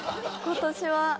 今年は。